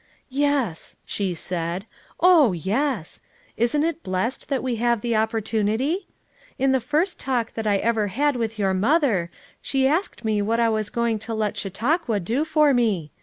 ' "Yes," she said, "oh, yes! Isn't it blessed that we have the opportunity? In the first talk that I ever had with your mother she asked me what I was going to let Chautauqua do for me.